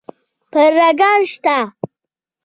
پړانګ شته؟